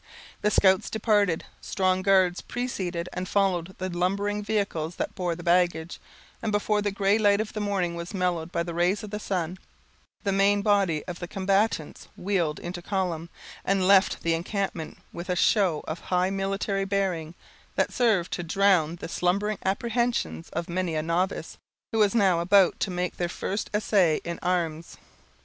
The scouts departed; strong guards preceded and followed the lumbering vehicles that bore the baggage; and before the gray light of the morning was mellowed by the rays of the sun, the main body of the combatants wheeled into column, and left the encampment with a show of high military bearing, that served to drown the slumbering apprehensions of many a novice, who was now about to make his first essay in arms.